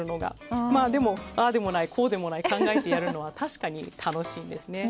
でも、ああでもないこうでもないと考えて作るのは楽しいんですね。